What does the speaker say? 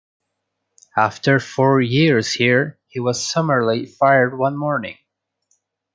After four years here, he was summarily fired one morning.